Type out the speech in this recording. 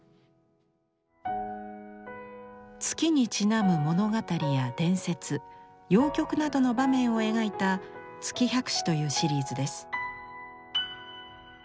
月にちなむ物語や伝説謡曲などの場面を描いた「月百姿」というシリーズです。